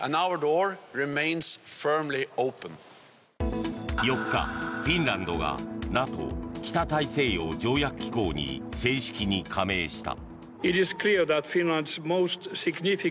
「颯」４日、フィンランドがＮＡＴＯ・北大西洋条約機構に正式に加盟した。